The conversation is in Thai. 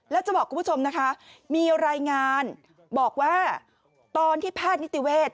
แล้วจะบอกคุณผู้ชมนะคะมีรายงานบอกว่าตอนที่แพทย์นิติเวศ